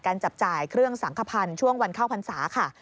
จับจ่ายเครื่องสังขพันธ์ช่วงวันเข้าพรรษาค่ะ